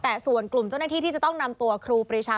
แต่ส่วนกลุ่มเจ้าหน้าที่ที่จะต้องนำตัวครูปรีชา